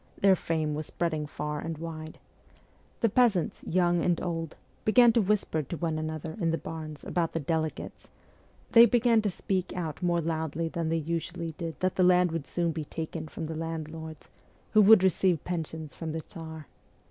Their fame was spreading far and wide. The peasants, young and old, began to whisper to one another in the barns about the ' delegates ;' they began to speak out more loudly than they usually did that the land would soon be taken from the landlords, who would receive pensions from the Tsar.